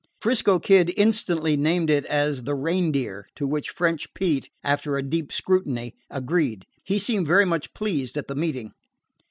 'Frisco Kid instantly named it as the Reindeer, to which French Pete, after a deep scrutiny, agreed. He seemed very much pleased at the meeting.